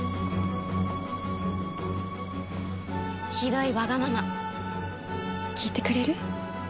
ひどいワガママ聞いてくれる？